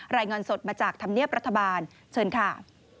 รายงานสดมาจากธรรมเนียบรัฐบาลเชิญค่ะ